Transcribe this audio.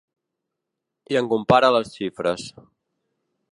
I en compara les xifres.